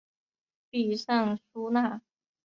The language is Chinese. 利尚叙纳。